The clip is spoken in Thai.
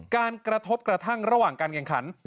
กระทบกระทั่งระหว่างการแข่งขัน